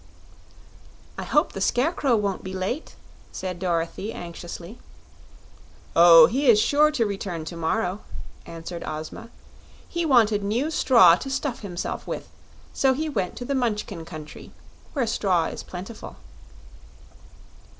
"I hope the Scarecrow won't be late," said Dorothy, anxiously. "Oh, he is sure to return to morrow," answered Ozma. "He wanted new straw to stuff himself with, so he went to the Munchkin Country, where straw is plentiful."